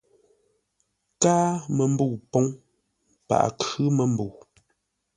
Káa məmbəu póŋ, paghʼə khʉ́ məmbəu.